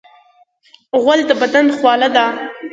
غول د بدن خوله ده.